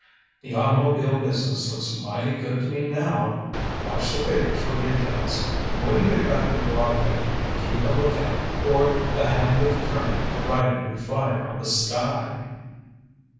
The automobile business looks mighty good to me now. Watch the papers for details. And when you get back to Broadway, keep a lookout for the hand of Trimmer writing in fire on the sky."